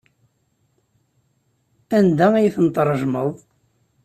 Anda ay ten-tṛejmeḍ?